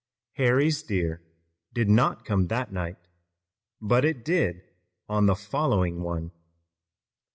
Harry's deer did not come that night, but it did on the following one.